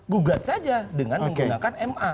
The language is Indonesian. gugat saja dengan menggunakan ma